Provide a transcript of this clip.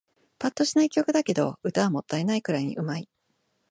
ぱっとしない曲だけど、歌はもったいないくらいに上手い